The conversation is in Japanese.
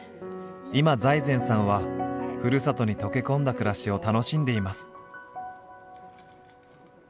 今財前さんはふるさとに溶け込んだ暮らしを楽しんでいます。